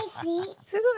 すごい。